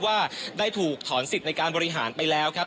ว่าได้ถูกถอนสิทธิ์ในการบริหารไปแล้วครับ